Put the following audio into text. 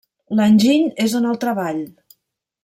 L'enginy és en el treball.